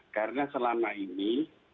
karena selama ini